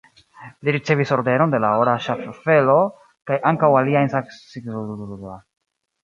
Li ricevis Ordenon de la Ora Ŝaffelo kaj ankaŭ aliajn signifajn premiojn.